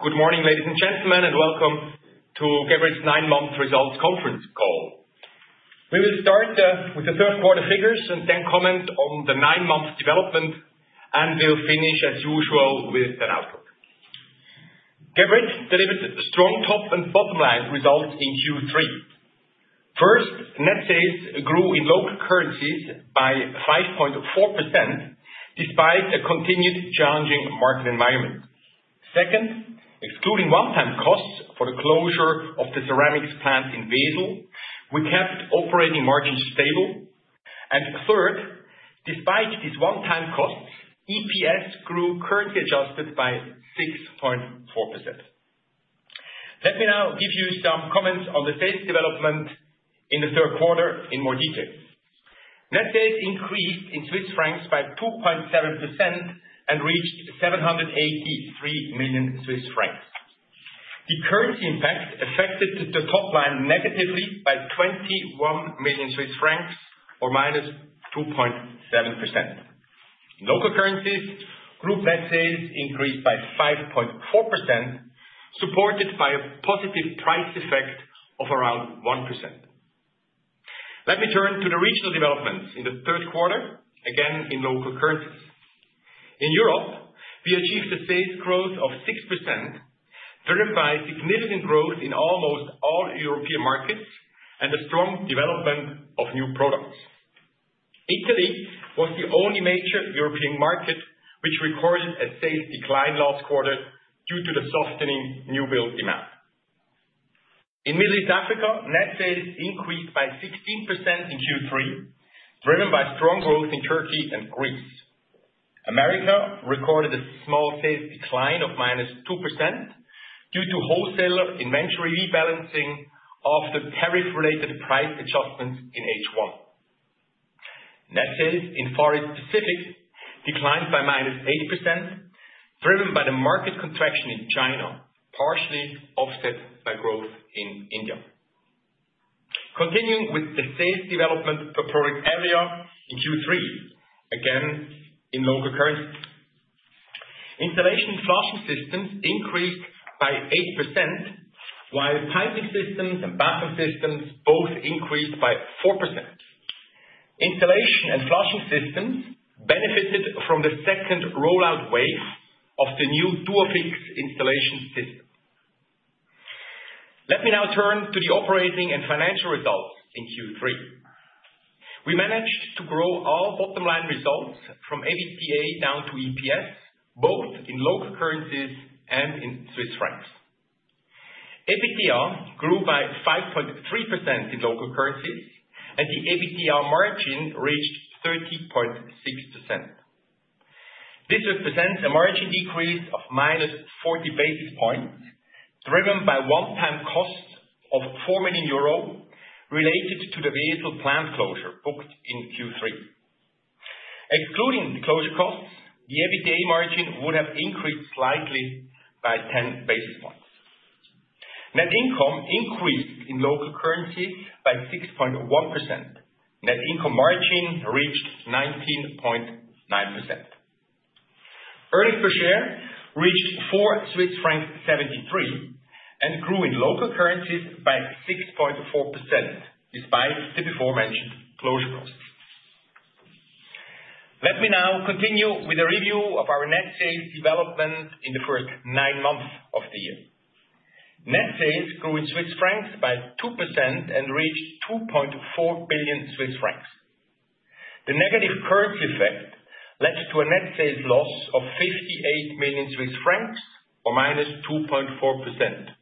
Good morning, ladies and gentlemen, and welcome to Geberit's nine-month results conference call. We will start with the third-quarter figures and then comment on the nine-month development, and we'll finish, as usual, with an outlook. Geberit delivered strong top and bottom line results in Q3. First, net sales grew in local currencies by 5.4% despite a continued challenging market environment. Second, excluding one-time costs for the closure of the ceramics plant in Basel, we kept operating margins stable. And third, despite these one-time costs, EPS grew currency adjusted by 6.4%. Let me now give you some comments on the sales development in the third quarter in more detail. Net sales increased in Swiss francs by 2.7% and reached 783 million Swiss francs. The currency impact affected the top line negatively by 21 million Swiss francs, or minus 2.7%. In local currencies, group net sales increased by 5.4%, supported by a positive price effect of around 1%. Let me turn to the regional developments in the third quarter, again in local currencies. In Europe, we achieved a sales growth of 6%, driven by significant growth in almost all European markets and the strong development of new products. Italy was the only major European market which recorded a sales decline last quarter due to the softening new build demand. In Middle East and Africa, net sales increased by 16% in Q3, driven by strong growth in Turkey and Greece. America recorded a small sales decline of minus 2% due to wholesaler inventory rebalancing after tariff-related price adjustments in H1. Net sales in Far East Pacific declined by minus 8%, driven by the market contraction in China, partially offset by growth in India. Continuing with the sales development per product area in Q3, again in local currency. Installation and flushing systems increased by 8%, while piping systems and bathroom systems both increased by 4%. Installation and flushing systems benefited from the second rollout wave of the new Duofix installation system. Let me now turn to the operating and financial results in Q3. We managed to grow our bottom line results from EBITDA down to EPS, both in local currencies and in Swiss francs. EBITDA grew by 5.3% in local currencies, and the EBITDA margin reached 30.6%. This represents a margin decrease of minus 40 basis points, driven by one-time costs of 4 million euro related to the Basel plant closure booked in Q3. Excluding the closure costs, the EBITDA margin would have increased slightly by 10 basis points. Net income increased in local currencies by 6.1%. Net income margin reached 19.9%. Earnings per share reached 4.73 Swiss francs and grew in local currencies by 6.4% despite the before-mentioned closure costs. Let me now continue with a review of our net sales development in the first nine months of the year. Net sales grew in Swiss francs by 2% and reached 2.4 billion Swiss francs. The negative currency effect led to a net sales loss of 58 million Swiss francs, or minus 2.4%.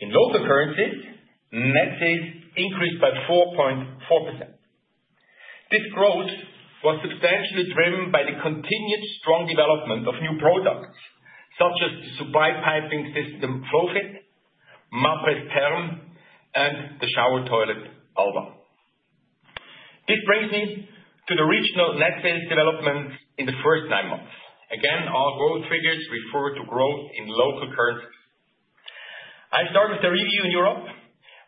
In local currencies, net sales increased by 4.4%. This growth was substantially driven by the continued strong development of new products such as the supply piping system FlowFit, Mapress, and the shower toilet Alba. This brings me to the regional net sales development in the first nine months. Again, our growth figures refer to growth in local currency. I start with a review in Europe,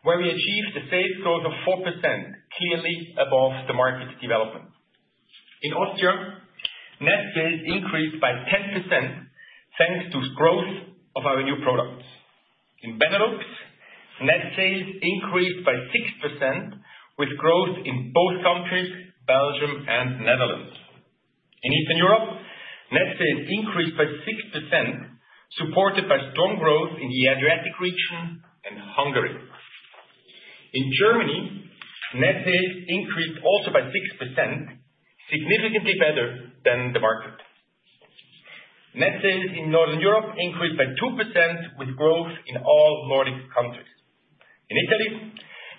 where we achieved a sales growth of 4%, clearly above the market development. In Austria, net sales increased by 10% thanks to growth of our new products. In Benelux, net sales increased by 6%, with growth in both countries, Belgium and Netherlands. In Eastern Europe, net sales increased by 6%, supported by strong growth in the Adriatic region and Hungary. In Germany, net sales increased also by 6%, significantly better than the market. Net sales in Northern Europe increased by 2%, with growth in all Nordic countries. In Italy,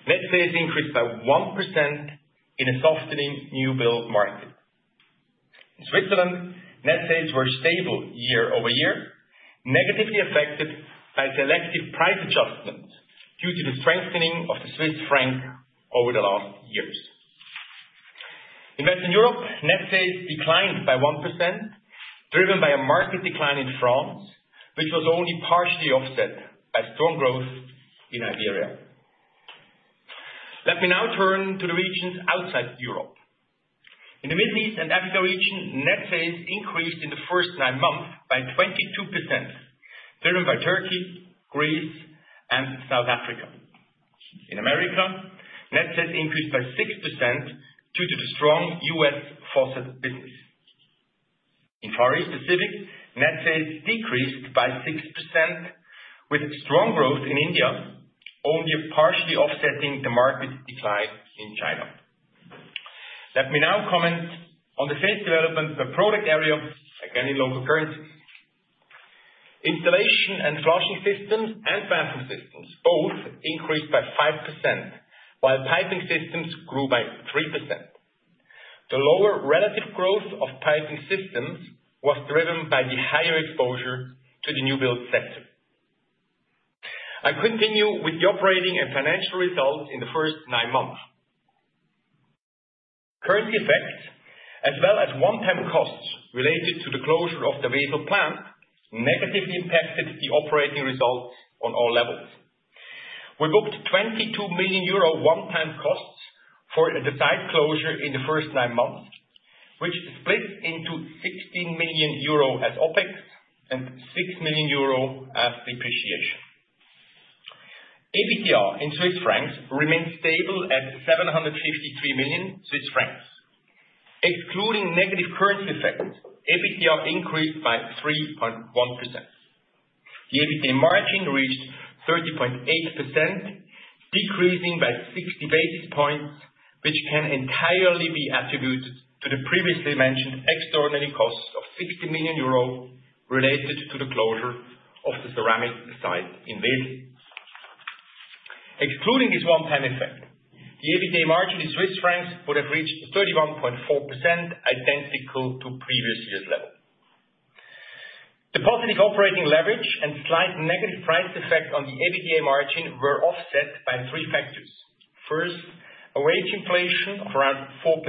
net sales increased by 1% in a softening new build market. In Switzerland, net sales were stable year over year, negatively affected by selective price adjustments due to the strengthening of the Swiss franc over the last years. In Western Europe, net sales declined by 1%, driven by a market decline in France, which was only partially offset by strong growth in Iberia. Let me now turn to the regions outside Europe. In the Middle East and Africa region, net sales increased in the first nine months by 22%, driven by Turkey, Greece, and South Africa. In America, net sales increased by 6% due to the strong US faucet business. In Far East Pacific, net sales decreased by 6%, with strong growth in India, only partially offsetting the market decline in China. Let me now comment on the sales development per product area, again in local currency. Installation and flushing systems and bathroom systems both increased by 5%, while piping systems grew by 3%. The lower relative growth of piping systems was driven by the higher exposure to the new build sector. I continue with the operating and financial results in the first nine months. Currency effects, as well as one-time costs related to the closure of the Basel plant, negatively impacted the operating results on all levels. We booked 22 million euro one-time costs for the site closure in the first nine months, which split into 16 million euro as OpEx and 6 million euro as depreciation. EBITDA in CHF remained stable at 753 million Swiss francs. Excluding negative currency effects, EBITDA increased by 3.1%. The EBITDA margin reached 30.8%, decreasing by 60 basis points, which can entirely be attributed to the previously mentioned extraordinary costs of 60 million euros related to the closure of the ceramic site in Basel. Excluding this one-time effect, the EBITDA margin in CHF would have reached 31.4%, identical to previous year's level. The positive operating leverage and slight negative price effect on the EBITDA margin were offset by three factors. First, a wage inflation of around 4%.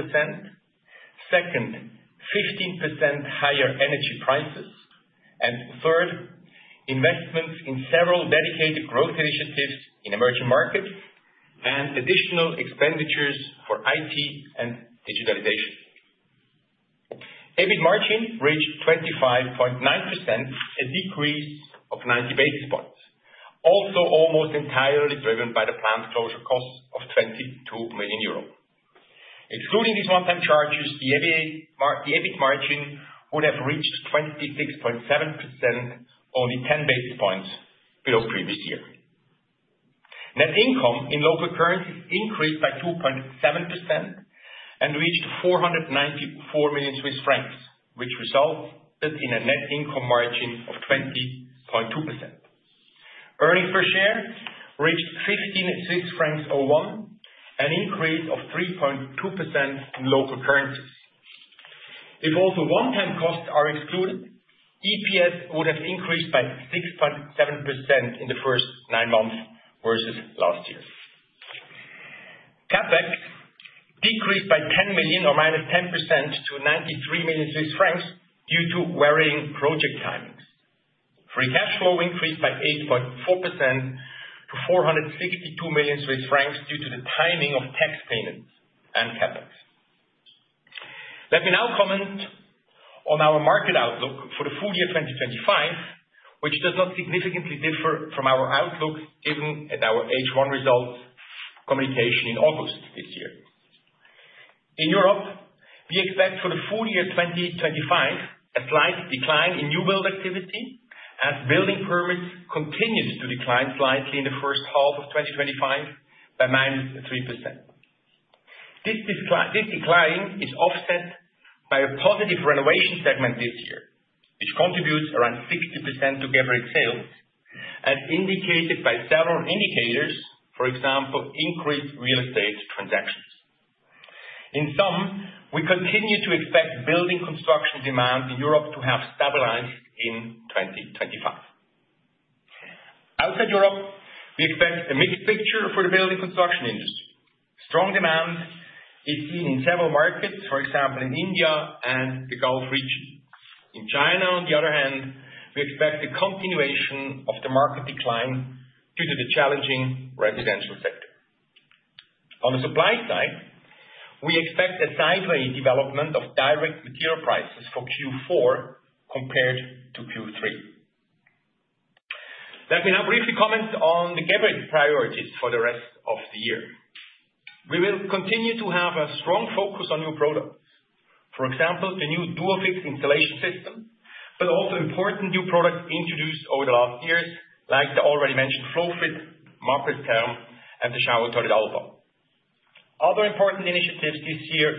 Second, 15% higher energy prices. Third, investments in several dedicated growth initiatives in emerging markets and additional expenditures for IT and digitalization. EBIT margin reached 25.9%, a decrease of 90 basis points, also almost entirely driven by the plant closure costs of 22 million euros. Excluding these one-time charges, the EBIT margin would have reached 26.7%, only 10 basis points below previous year. Net income in local currencies increased by 2.7% and reached 494 million Swiss francs, which resulted in a net income margin of 20.2%. Earnings per share reached 15.01 francs, an increase of 3.2% in local currencies. If all the one-time costs are excluded, EPS would have increased by 6.7% in the first nine months versus last year. CapEx decreased by 10 million or minus 10% to 93 million Swiss francs due to varying project timings. Free cash flow increased by 8.4% to 462 million Swiss francs due to the timing of tax payments and CapEx. Let me now comment on our market outlook for the full year 2025, which does not significantly differ from our outlook given our H1 results communication in August this year. In Europe, we expect for the full year 2025 a slight decline in new build activity as building permits continued to decline slightly in the first half of 2025 by -3%. This decline is offset by a positive renovation segment this year, which contributes around 60% to Geberit's sales, as indicated by several indicators, for example, increased real estate transactions. In sum, we continue to expect building construction demand in Europe to have stabilized in 2025. Outside Europe, we expect a mixed picture for the building construction industry. Strong demand is seen in several markets, for example, in India and the Gulf region. In China, on the other hand, we expect the continuation of the market decline due to the challenging residential sector. On the supply side, we expect a sideways development of direct material prices for Q4 compared to Q3. Let me now briefly comment on the Geberit priorities for the rest of the year. We will continue to have a strong focus on new products, for example, the new Duofix installation system, but also important new products introduced over the last years, like the already mentioned FlowFit, Mapress, and the shower toilet Alba. Other important initiatives this year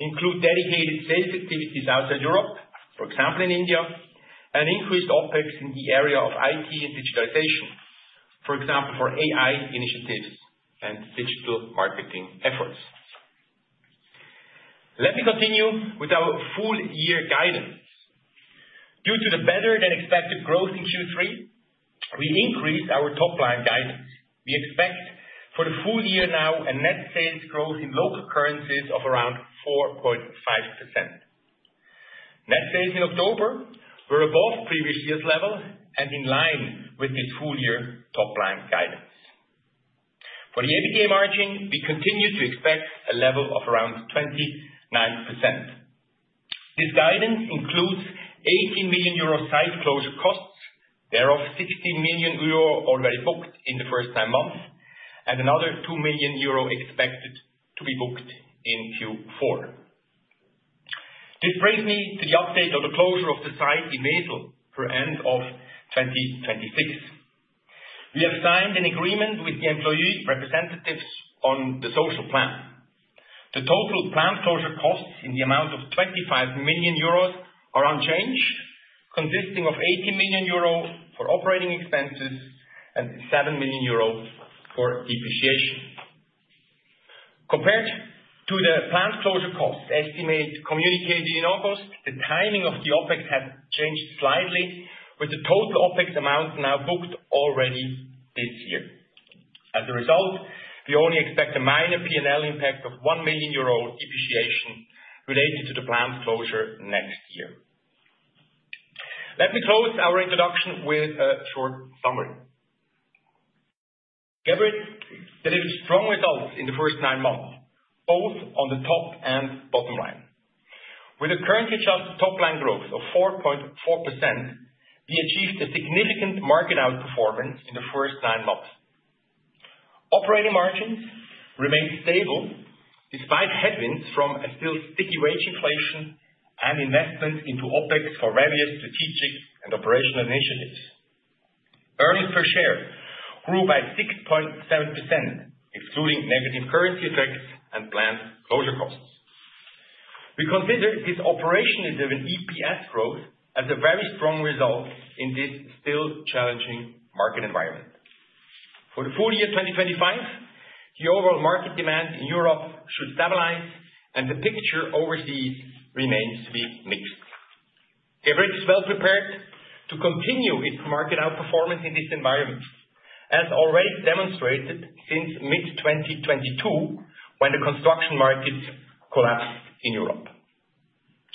include dedicated sales activities outside Europe, for example, in India, and increased OpEx in the area of IT and digitalization, for example, for AI initiatives and digital marketing efforts. Let me continue with our full year guidance. Due to the better-than-expected growth in Q3, we increased our top line guidance. We expect for the full year now a net sales growth in local currencies of around 4.5%. Net sales in October were above previous year's level and in line with this full year top line guidance. For the EBITDA margin, we continue to expect a level of around 29%. This guidance includes 18 million euro site closure costs, thereof 16 million euro already booked in the first nine months, and another 2 million euro expected to be booked in Q4. This brings me to the update on the closure of the site in Basel per end of 2026. We have signed an agreement with the employee representatives on the social plan. The total plant closure costs in the amount of 25 million euros are unchanged, consisting of 18 million euros for operating expenses and 7 million euros for depreciation. Compared to the plant closure cost estimate communicated in August, the timing of the OpEx has changed slightly, with the total OpEx amount now booked already this year. As a result, we only expect a minor P&L impact of 1 million euro depreciation related to the plant closure next year. Let me close our introduction with a short summary. Geberit delivered strong results in the first nine months, both on the top and bottom line. With a currently adjusted top line growth of 4.4%, we achieved a significant market outperformance in the first nine months. Operating margins remained stable despite headwinds from a still sticky wage inflation and investment into OpEx for various strategic and operational initiatives. Earnings per share grew by 6.7%, excluding negative currency effects and planned closure costs. We consider this operationally driven EPS growth as a very strong result in this still challenging market environment. For the full year 2025, the overall market demand in Europe should stabilize, and the picture overseas remains to be mixed. Geberit is well prepared to continue its market outperformance in this environment, as already demonstrated since mid-2022 when the construction markets collapsed in Europe.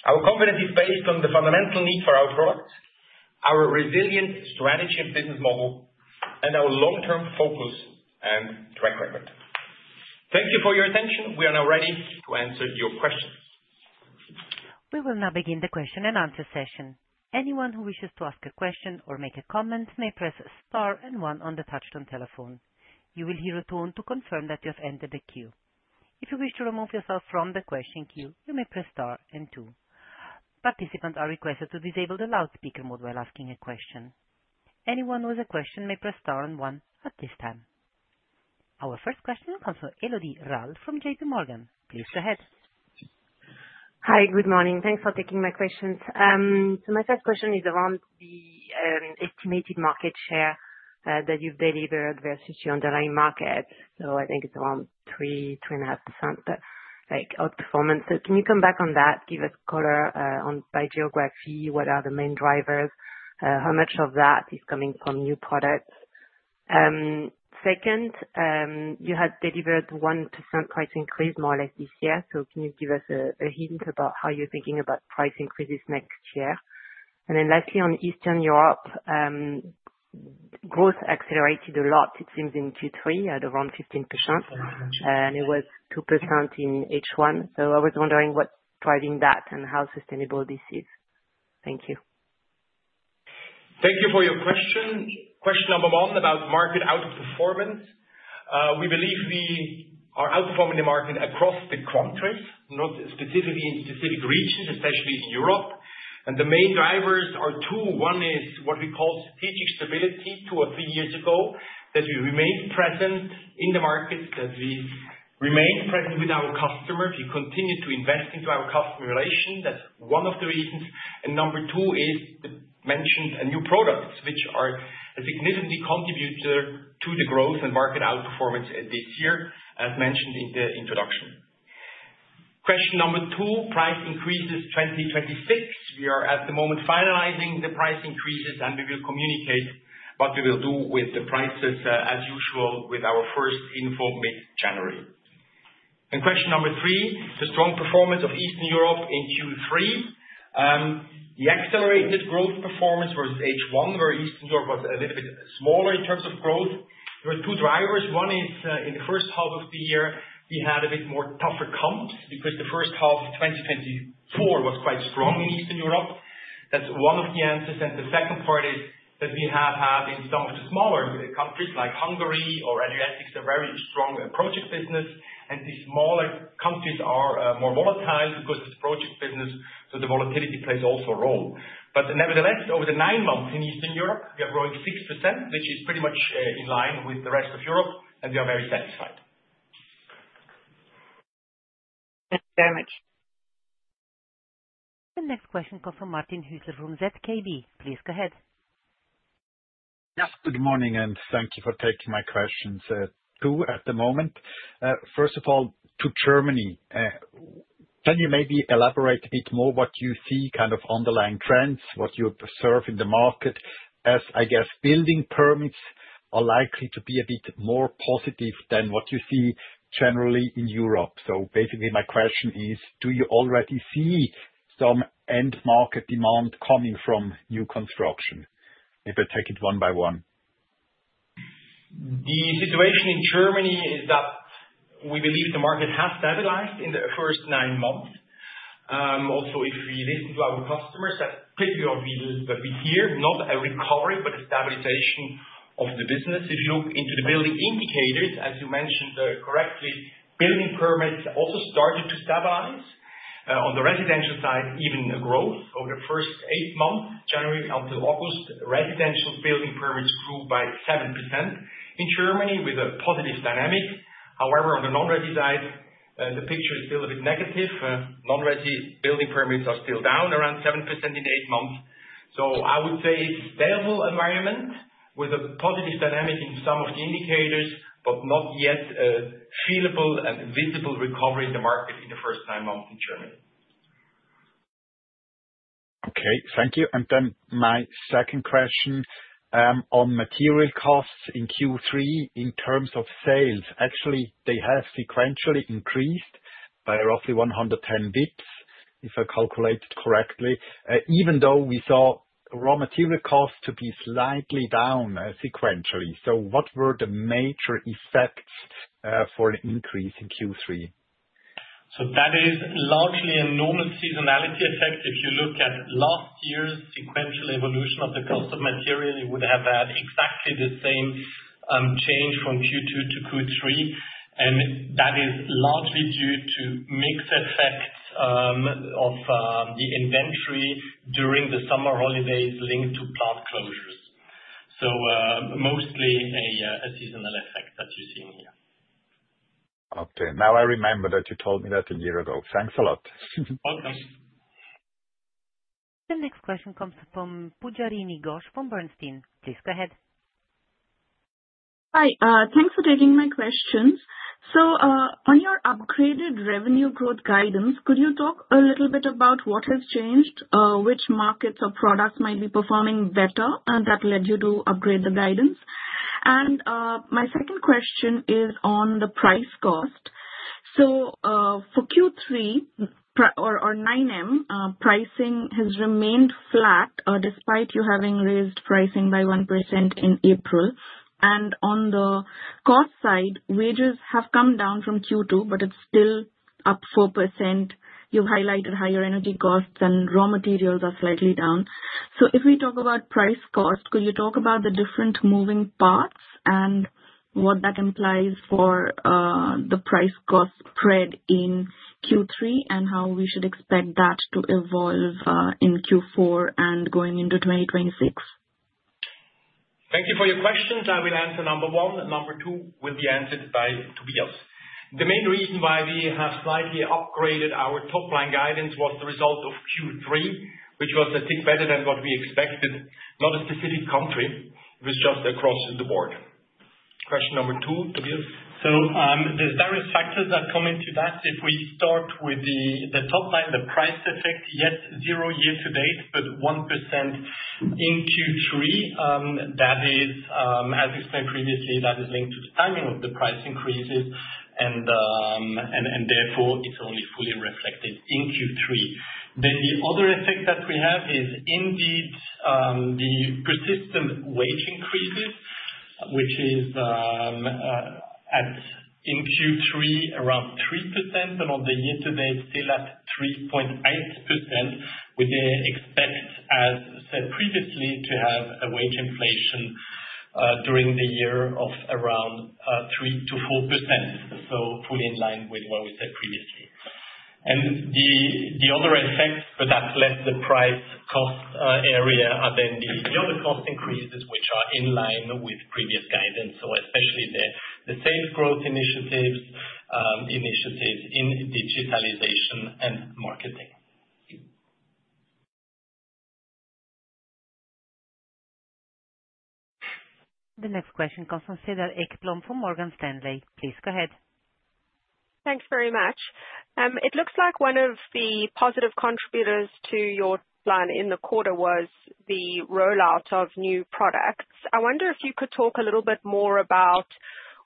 Our confidence is based on the fundamental need for our products, our resilient strategy and business model, and our long-term focus and track record. Thank you for your attention. We are now ready to answer your questions. We will now begin the question and answer session. Anyone who wishes to ask a question or make a comment may press Star and one on the touch-tone telephone. You will hear a tone to confirm that you have entered the queue. If you wish to remove yourself from the question queue, you may press Star and two. Participants are requested to disable the loudspeaker mode while asking a question. Anyone who has a question may press Star and one at this time. Our first question comes from Élodie Rahl from J.P. Morgan. Please go ahead. Hi, good morning. Thanks for taking my questions. So my first question is around the estimated market share that you've delivered versus your underlying market. So I think it's around 3% to 3.5% outperformance. So can you come back on that, give us color by geography? What are the main drivers? How much of that is coming from new products? Second, you had delivered 1% price increase more or less this year. Can you give us a hint about how you are thinking about price increases next year? And then lastly, on Eastern Europe, growth accelerated a lot, it seems, in Q3 at around 15%, and it was 2% in H1. So I was wondering what is driving that and how sustainable this is. Thank you. Thank you for your question. Question number one about market outperformance. We believe we are outperforming the market across the countries, not specifically in specific regions, especially in Europe. And the main drivers are two. One is what we call strategic stability two or three years ago, that we remained present in the market, that we remained present with our customers. We continue to invest into our customer relation. That is one of the reasons. Number two is the mention of new products, which are a significant contributor to the growth and market outperformance this year, as mentioned in the introduction. Question number two, price increases 2026. We are at the moment finalizing the price increases, and we will communicate what we will do with the prices, as usual, with our first info mid-January. Question number three, the strong performance of Eastern Europe in Q3. The accelerated growth performance versus H1, where Eastern Europe was a little bit smaller in terms of growth. There were two drivers. One is in the first half of the year, we had a bit more tougher comps because the first half of 2024 was quite strong in Eastern Europe. That's one of the answers. And the second part is that we have had in some of the smaller countries like Hungary or Adriatic, a very strong project business. And the smaller countries are more volatile because of the project business, so the volatility plays also a role. But nevertheless, over the nine months in Eastern Europe, we are growing 6%, which is pretty much in line with the rest of Europe, and we are very satisfied. Thank you very much. The next question comes from Martin Hüsler from ZKB. Please go ahead. Yes, good morning, and thank you for taking my questions. Two at the moment. First of all, to Germany, can you maybe elaborate a bit more what you see, kind of underlying trends, what you observe in the market as, I guess, building permits are likely to be a bit more positive than what you see generally in Europe? So basically, my question is, do you already see some end market demand coming from new construction? Maybe take it one by one. The situation in Germany is that we believe the market has stabilized in the first nine months. Also, if we listen to our customers, that's pretty obvious, but we hear not a recovery, but a stabilization of the business. If you look into the building indicators, as you mentioned correctly, building permits also started to stabilize. On the residential side, even growth over the first eight months, January until August, residential building permits grew by 7% in Germany with a positive dynamic. However, on the non-resi side, the picture is still a bit negative. Non-resi building permits are still down around 7% in eight months. I would say it's a stable environment with a positive dynamic in some of the indicators, but not yet a palpable and visible recovery in the market in the first nine months in Germany. Okay, thank you. And then my second question on material costs in Q3 in terms of sales. Actually, they have sequentially increased by roughly 110 basis points, if I calculated correctly, even though we saw raw material costs to be slightly down sequentially. So what were the major effects for an increase in Q3? That is largely a normal seasonality effect. If you look at last year's sequential evolution of the cost of material, you would have had exactly the same change from Q2 to Q3. And that is largely due to mix effects of the inventory during the summer holidays linked to plant closures. Mostly a seasonal effect that you're seeing here. Okay, now I remember that you told me that a year ago. Thanks a lot. Welcome. The next question comes from Pujarini Ghosh from Bernstein. Please go ahead. Hi, thanks for taking my questions. So on your upgraded revenue growth guidance, could you talk a little bit about what has changed, which markets or products might be performing better that led you to upgrade the guidance? And my second question is on the price cost. So for Q3 or 9M, pricing has remained flat despite you having raised pricing by 1% in April. And on the cost side, wages have come down from Q2, but it's still up 4%. You've highlighted higher energy costs and raw materials are slightly down. So if we talk about price cost, could you talk about the different moving parts and what that implies for the price cost spread in Q3 and how we should expect that to evolve in Q4 and going into 2026? Thank you for your question. I will answer number one. Number two will be answered by Tobias. The main reason why we have slightly upgraded our top line guidance was the result of Q3, which was a tick better than what we expected, not a specific country. It was just across the board. Question number two, Tobias. So there's various factors that come into that. If we start with the top line, the price effect, YTD zero year to date, but 1% in Q3, that is, as explained previously, that is linked to the timing of the price increases, and therefore it's only fully reflected in Q3. Then the other effect that we have is indeed the persistent wage increases, which is in Q3 around 3%, and on the year to date, still at 3.8%, with the expectation, as said previously, to have a wage inflation during the year of around 3% to 4%. So fully in line with what we said previously. And the other effects, but that's less the price cost area, are then the other cost increases, which are in line with previous guidance, so especially the sales growth initiatives in digitalization and marketing. The next question comes from Cedar Ekblom from Morgan Stanley. Please go ahead. Thanks very much. It looks like one of the positive contributors to your plan in the quarter was the rollout of new products. I wonder if you could talk a little bit more about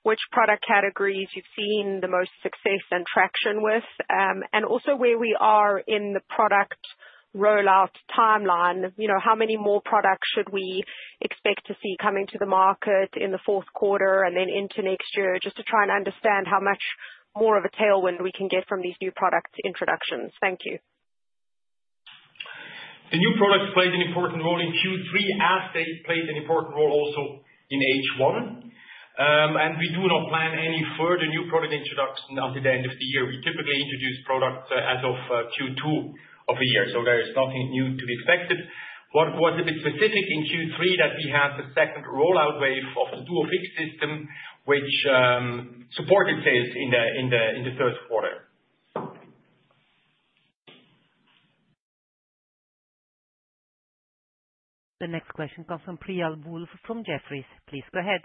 which product categories you've seen the most success and traction with, and also where we are in the product rollout timeline. How many more products should we expect to see coming to the market in the fourth quarter and then into next year, just to try and understand how much more of a tailwind we can get from these new product introductions? Thank you. The new products played an important role in Q3 as they played an important role also in H1. And we do not plan any further new product introduction until the end of the year. We typically introduce products as of Q2 of the year, so there is nothing new to be expected. What was a bit specific in Q3 that we had the second rollout wave of the dual fixed system, which supported sales in the third quarter. The next question comes from Priyal Woolf from Jefferies. Please go ahead.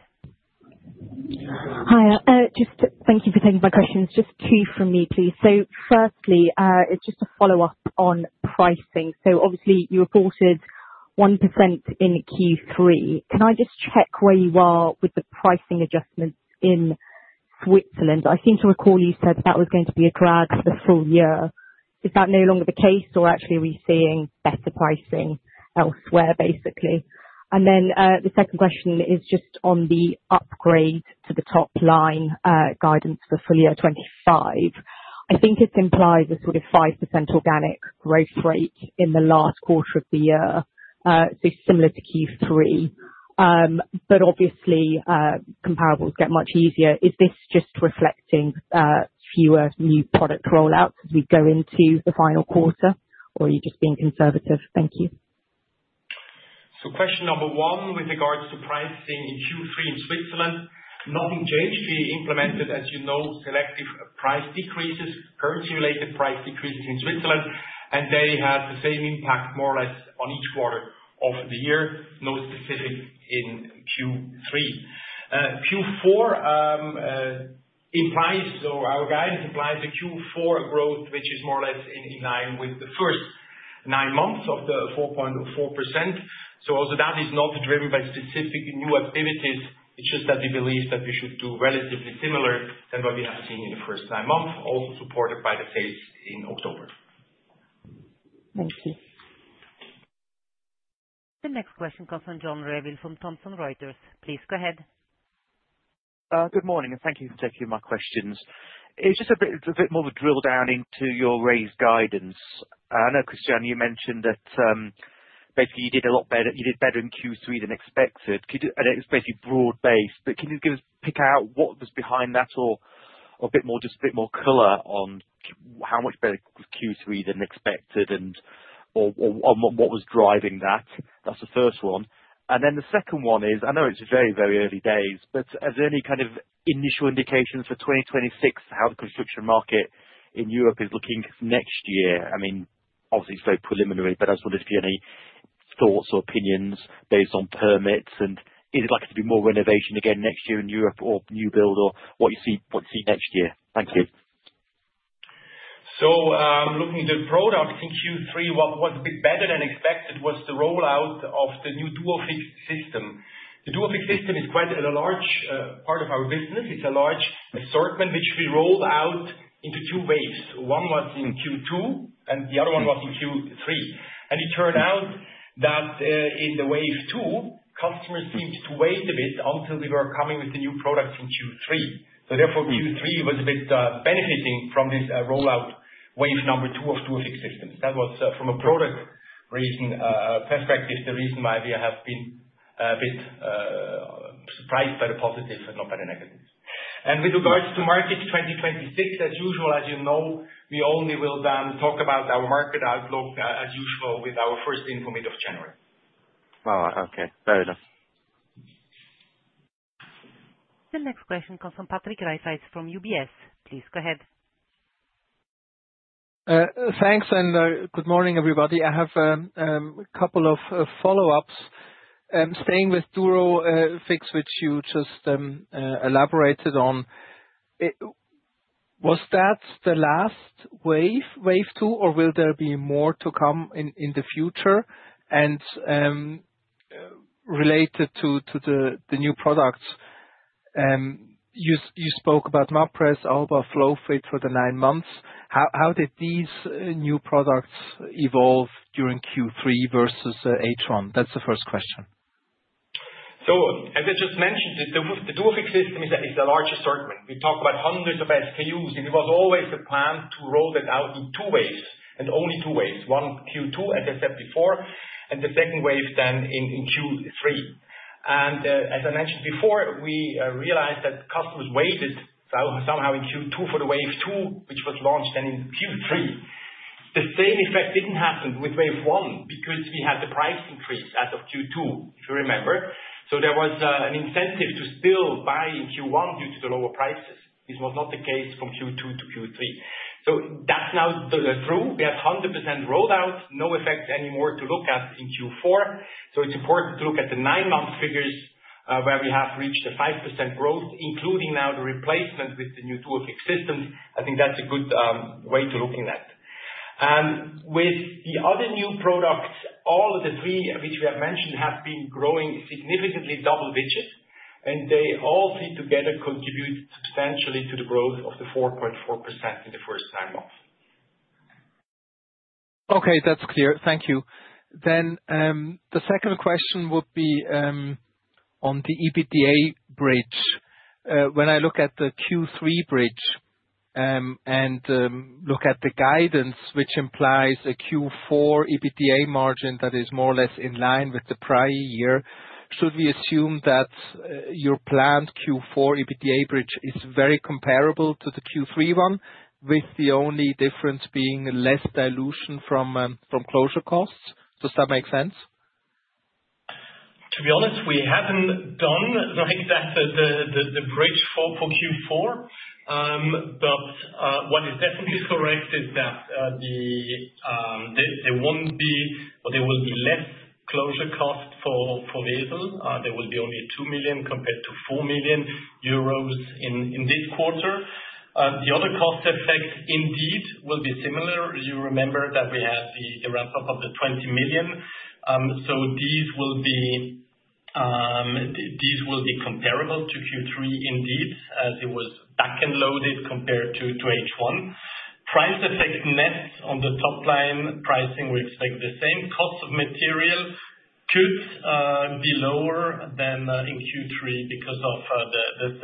Hi. Just thank you for taking my questions. Just two from me, please. So firstly, it's just a follow-up on pricing. So obviously, you reported 1% in Q3. Can I just check where you are with the pricing adjustments in Switzerland? I seem to recall you said that was going to be a drag for the full year. Is that no longer the case, or actually are we seeing better pricing elsewhere, basically? And then the second question is just on the upgrade to the top line guidance for full year 25. I think it implies a sort of 5% organic growth rate in the last quarter of the year, so similar to Q3. But obviously, comparables get much easier. Is this just reflecting fewer new product rollouts as we go into the final quarter, or are you just being conservative? Thank you. So question number one with regards to pricing in Q3 in Switzerland, nothing changed. We implemented, as you know, selective price decreases, currency-related price decreases in Switzerland, and they had the same impact more or less on each quarter of the year, no specific in Q3. Q4 implies, or our guidance implies a Q4 growth, which is more or less in line with the first nine months of the 4.4%. So also that is not driven by specific new activities. It's just that we believe that we should do relatively similar than what we have seen in the first nine months, also supported by the sales in October. Thank you. The next question comes from John Revill from Thomson Reuters. Please go ahead. Good morning, and thank you for taking my questions. It's just a bit more of a drill down into your raise guidance. I know, Christian, you mentioned that basically you did a lot better in Q3 than expected. And it was basically broad-based. But can you pick out what was behind that, or just a bit more color on how much better Q3 than expected, and what was driving that? That's the first one. And then the second one is, I know it's very, very early days, but are there any kind of initial indications for 2026, how the construction market in Europe is looking next year? I mean, obviously, it's very preliminary, but I just wonder if you have any thoughts or opinions based on permits, and is it likely to be more renovation again next year in Europe or new build, or what you see next year? Thank you. So looking at the product in Q3, what was a bit better than expected was the rollout of the new Duofix. The Duofix is quite a large part of our business. It's a large assortment, which we rolled out into two waves. One was in Q2, and the other one was in Q3. And it turned out that in the wave two, customers seemed to wait a bit until we were coming with the new products in Q3. So therefore, Q3 was a bit benefiting from this rollout wave number two of Duofix. That was, from a product-raising perspective, the reason why we have been a bit surprised by the positives and not by the negatives. With regards to markets 2026, as usual, as you know, we only will then talk about our market outlook as usual with our first info mid-January. All right. Okay. Fair enough. The next question comes from Patrick Rafaisz from UBS. Please go ahead. Thanks, and good morning, everybody. I have a couple of follow-ups. Staying with Duofix, which you just elaborated on, was that the last wave, wave two, or will there be more to come in the future? And related to the new products, you spoke about Mapress, Alba, FlowFit for the nine months. How did these new products evolve during Q3 versus H1? That's the first question. So, as I just mentioned, the Duofix system is a large assortment. We talk about hundreds of SKUs. It was always the plan to roll that out in two waves, and only two waves. One, Q2, as I said before, and the second wave then in Q3. And as I mentioned before, we realized that customers waited somehow in Q2 for the wave two, which was launched then in Q3. The same effect didn't happen with wave one because we had the price increase as of Q2, if you remember. So there was an incentive to still buy in Q1 due to the lower prices. This was not the case from Q2 to Q3. So that's now true. We have 100% rollout, no effects anymore to look at in Q4. So it's important to look at the nine-month figures where we have reached a 5% growth, including now the replacement with the new Duofix systems. I think that's a good way to look at that. And with the other new products, all of the three which we have mentioned have been growing significantly double-digit, and they all together contribute substantially to the growth of the 4.4% in the first nine months. Okay, that's clear. Thank you. Then the second question would be on the EBITDA bridge. When I look at the Q3 bridge and look at the guidance, which implies a Q4 EBITDA margin that is more or less in line with the prior year, should we assume that your planned Q4 EBITDA bridge is very comparable to the Q3 one, with the only difference being less dilution from closure costs? Does that make sense? To be honest, we haven't done that, the bridge for Q4. But what is definitely correct is that there won't be, or there will be less closure costs for Basel. There will be only 2 million compared to 4 million euros in this quarter. The other cost effect indeed will be similar. You remember that we had the ramp-up of the 20 million. So these will be comparable to Q3 indeed, as it was back and loaded compared to H1. Price effect net on the top line pricing, we expect the same. Cost of material could be lower than in Q3 because of the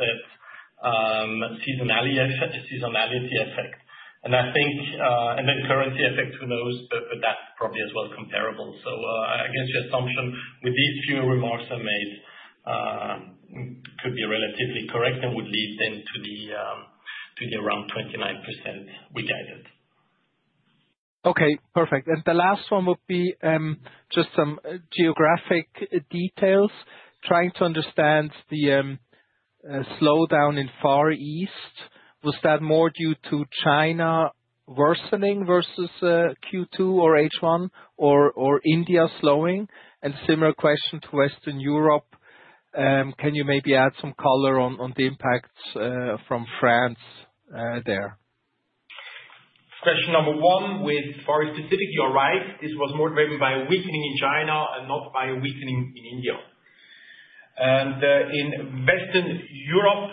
seasonality effect. And I think, and then currency effect, who knows, but that's probably as well comparable. So I guess your assumption with these few remarks I made could be relatively correct and would lead then to around 29% we guided. Okay, perfect. And the last one would be just some geographic details. Trying to understand the slowdown in Far East, was that more due to China worsening versus Q2 or H1, or India slowing? And similar question to Western Europe. Can you maybe add some color on the impacts from France there? Question number one with Far East specific, you're right. This was more driven by a weakening in China and not by a weakening in India. And in Western Europe,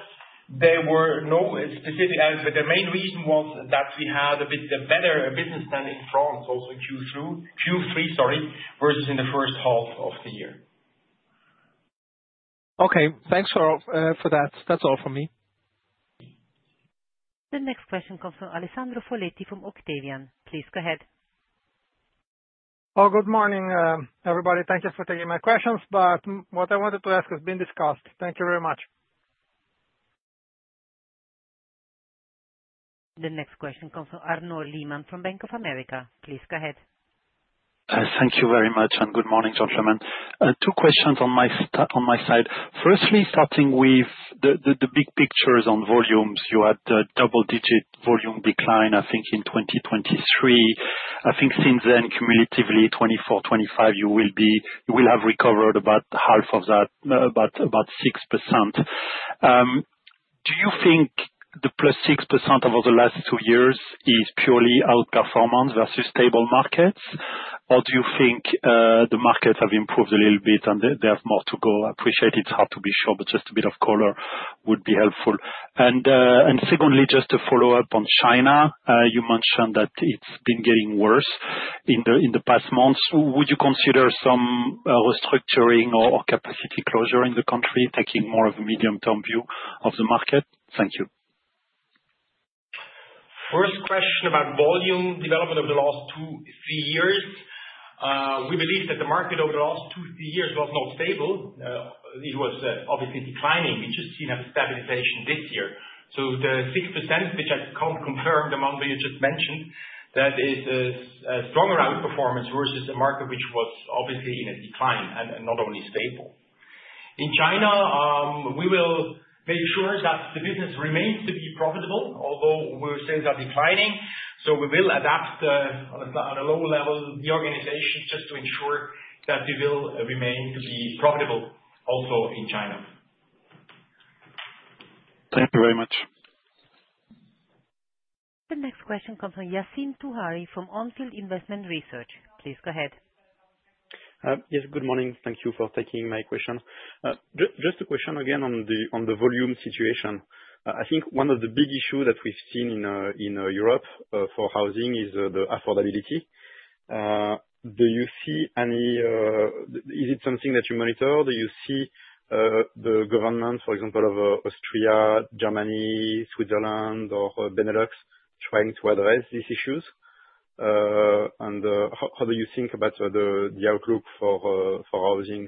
there were no specific, but the main reason was that we had a bit better business than in France, also Q3, sorry, versus in the first half of the year. Okay. Thanks for that. That's all from me. The next question comes from Alessandro Foletti from Octavian. Please go ahead. Oh, good morning, everybody. Thank you for taking my questions, but what I wanted to ask has been discussed. Thank you very much. The next question comes from Arnaud Lehman from Bank of America. Please go ahead. Thank you very much, and good morning, gentlemen. Two questions on my side. Firstly, starting with the big pictures on volumes, you had a double-digit volume decline, I think, in 2023. I think since then, cumulatively, 2024, 2025, you will have recovered about half of that, about 6%. Do you think the plus 6% over the last two years is purely outperformance versus stable markets, or do you think the markets have improved a little bit and they have more to go? I appreciate it's hard to be sure, but just a bit of color would be helpful. Secondly, just to follow up on China, you mentioned that it's been getting worse in the past months. Would you consider some restructuring or capacity closure in the country, taking more of a medium-term view of the market? Thank you. First question about volume development over the last two, three years. We believe that the market over the last two, three years was not stable. It was obviously declining. We just seen a stabilization this year. So the 6%, which I can't confirm the number you just mentioned, that is a stronger outperformance versus a market which was obviously in a decline and not only stable. In China, we will make sure that the business remains to be profitable, although we will say they are declining. So we will adapt on a lower level the organization just to ensure that we will remain to be profitable also in China. Thank you very much. The next question comes from Yassine Touahri from Onfield Investment Research. Please go ahead. Yes, good morning. Thank you for taking my question. Just a question again on the volume situation. I think one of the big issues that we've seen in Europe for housing is the affordability. Do you see any? Is it something that you monitor? Do you see the government, for example, of Austria, Germany, Switzerland, or Benelux trying to address these issues? And how do you think about the outlook for housing?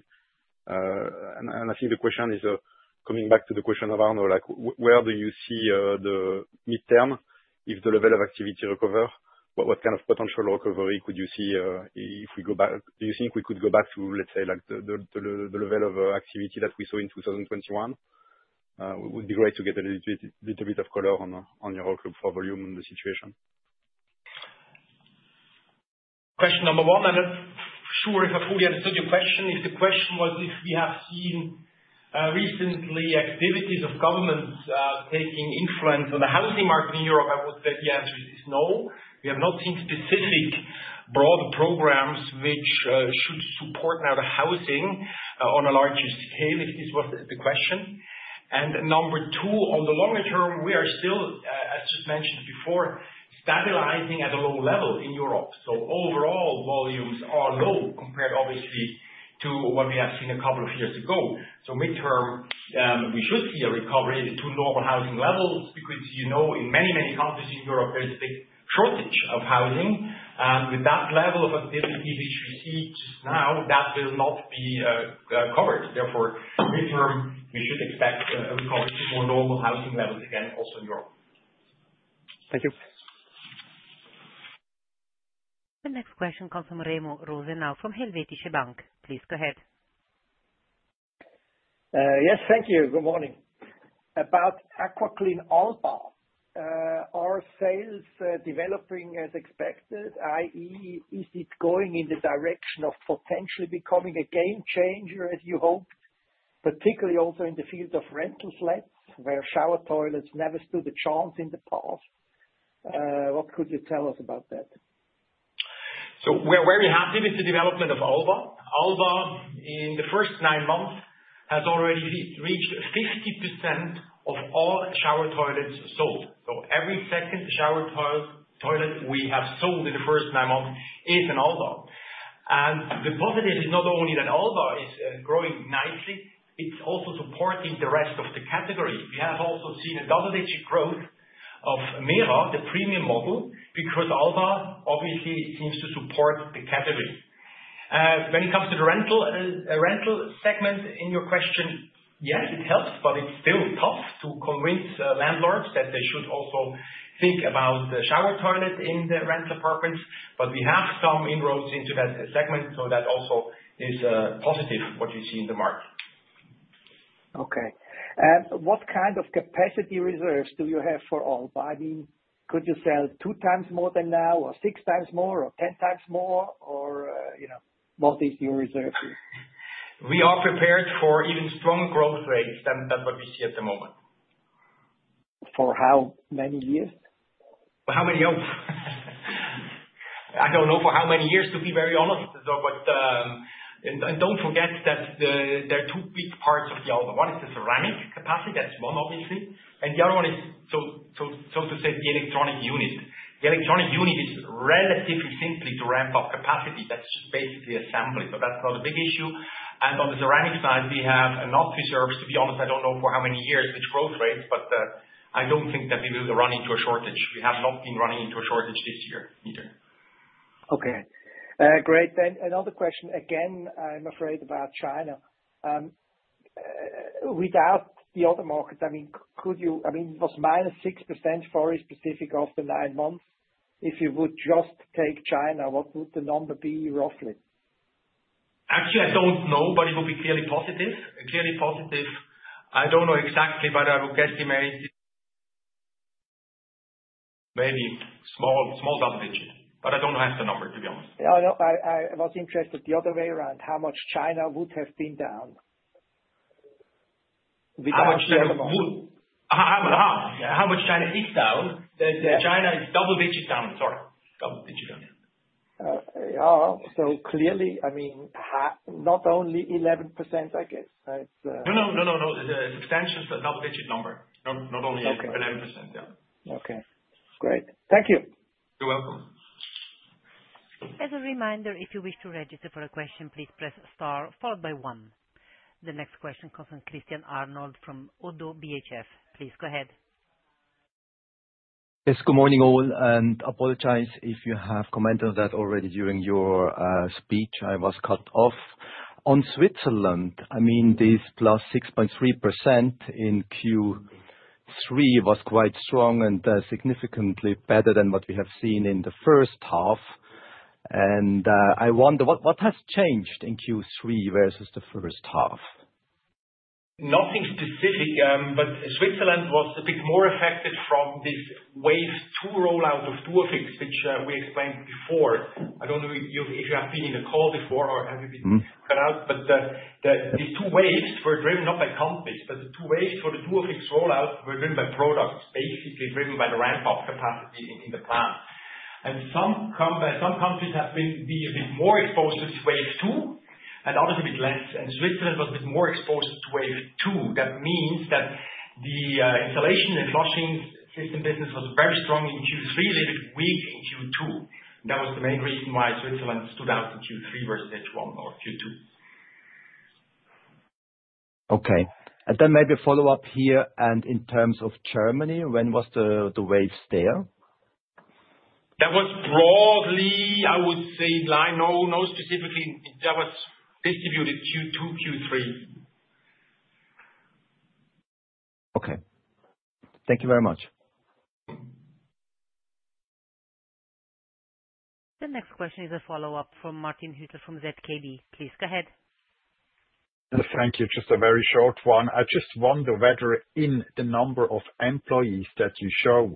And I think the question is coming back to the question of Arnaud, where do you see the midterm if the level of activity recovers? What kind of potential recovery could you see if we go back? Do you think we could go back to, let's say, the level of activity that we saw in 2021? It would be great to get a little bit of color on your outlook for volume and the situation. Question number one, and I'm not sure if I fully understood your question. If the question was if we have seen recently activities of governments taking influence on the housing market in Europe, I would say the answer is no. We have not seen specific broad programs which should support now the housing on a larger scale, if this was the question, and number two, on the longer term, we are still, as just mentioned before, stabilizing at a low level in Europe, so overall, volumes are low compared, obviously, to what we have seen a couple of years ago, so midterm, we should see a recovery to normal housing levels because you know in many, many countries in Europe, there's a big shortage of housing. And with that level of activity which we see just now, that will not be covered. Therefore, midterm, we should expect a recovery to more normal housing levels again, also in Europe. Thank you. The next question comes from Remo Rosenau from Helvetische Bank. Please go ahead. Yes, thank you. Good morning. About AquaClean Alba, are sales developing as expected? I.e., is it going in the direction of potentially becoming a game changer, as you hoped, particularly also in the field of rental flats where shower toilets never stood a chance in the past? What could you tell us about that? So we're very happy with the development of Alba. Alba, in the first nine months, has already reached 50% of all shower toilets sold. So every second shower toilet we have sold in the first nine months is an Alba. And the positive is not only that Alba is growing nicely, it's also supporting the rest of the category. We have also seen a double-digit growth of Mera, the premium model, because Alba obviously seems to support the category. When it comes to the rental segment in your question, yes, it helps, but it's still tough to convince landlords that they should also think about the shower toilet in the rental apartments. But we have some inroads into that segment, so that also is positive, what you see in the market. Okay. What kind of capacity reserves do you have for Alba? I mean, could you sell two times more than now, or six times more, or ten times more, or what is your reserve? We are prepared for even stronger growth rates, and that's what we see at the moment. For how many years? For how many years? I don't know for how many years, to be very honest. And don't forget that there are two big parts of the Alba. One is the ceramic capacity, that's one, obviously. The other one is, so to say, the electronic unit. The electronic unit is relatively simply to ramp up capacity. That's just basically assembly. That's not a big issue. On the ceramic side, we have enough reserves. To be honest, I don't know for how many years which growth rates, but I don't think that we will run into a shortage. We have not been running into a shortage this year either. Okay. Great. Another question. Again, I'm afraid about China. Without the other markets, I mean, could you, I mean, it was -6% for you specifically of the nine months. If you would just take China, what would the number be roughly? Actually, I don't know, but it would be clearly positive. Clearly positive. I don't know exactly, but I would guess maybe small double-digit. But I don't have the number, to be honest. I was interested the other way around. How much China would have been down? How much China is down? China is double-digit down. Sorry. Double-digit down. So clearly, I mean, not only 11%, I guess. No, no, no, no. Substantial double-digit number. Not only 11%. Yeah. Okay. Great. Thank you. You're welcome. As a reminder, if you wish to register for a question, please press star followed by one. The next question comes from Christian Arnold from Oddo BHF. Please go ahead. Yes, good morning all. And apologize if you have commented on that already during your speech. I was cut off. On Switzerland, I mean, this plus 6.3% in Q3 was quite strong and significantly better than what we have seen in the first half. And I wonder what has changed in Q3 versus the first half? Nothing specific, but Switzerland was a bit more affected from this wave two rollout of Duofix, which we explained before. I don't know if you have been in a call before or have you been cut out, but these two waves were driven not by companies, but the two waves for the Duofix rollout were driven by products, basically driven by the ramp-up capacity in the plant. And some countries have been a bit more exposed to this wave two and others a bit less. And Switzerland was a bit more exposed to wave two. That means that the installation and flushing system business was very strong in Q3, a little bit weak in Q2. That was the main reason why Switzerland stood out in Q3 versus H1 or Q2. Okay. And then maybe a follow-up here. And in terms of Germany, when was the waves there? That was broadly, I would say, not specifically. That was distributed Q2, Q3. Okay. Thank you very much. The next question is a follow-up from Martin Hüsler from ZKB. Please go ahead. Thank you. Just a very short one. I just wonder whether in the number of employees that you show,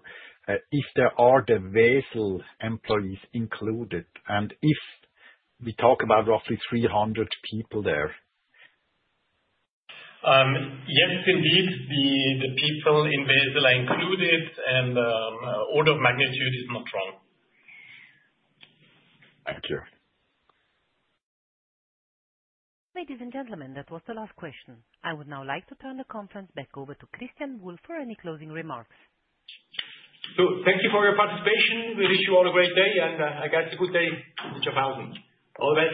if there are the Wesel employees included and if we talk about roughly 300 people there? Yes, indeed. The people in Wesel are included, and order of magnitude is not wrong. Thank you. Ladies and gentlemen, that was the last question. I would now like to turn the conference back over to Christian Buhl for any closing remarks. So thank you for your participation. We wish you all a great day, and I guess a good day in the job hunting. All the best.